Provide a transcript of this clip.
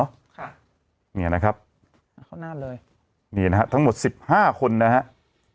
ค่ะเนี่ยนะครับเข้าหน้าเลยนี่นะฮะทั้งหมดสิบห้าคนนะฮะ